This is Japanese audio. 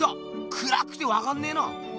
くらくてわかんねえな！